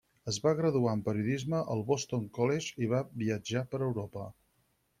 Es va graduar en periodisme al Boston College i va viatjar per Europa.